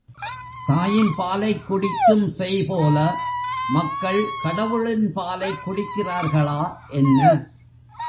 தாயின் பாலைக் குடிக்கும் சேய்போல, மக்கள் கடவுளின் பாலைக் குடிக்கிறார்களா என்ன?